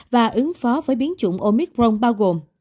và ứng phó với biến chủng omicron bao gồm